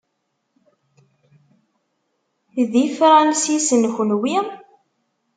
D Ifransisen, kenwi?